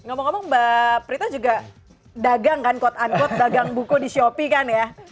ngomong ngomong mbak prita juga dagang kan quote unquote dagang buku di shopee kan ya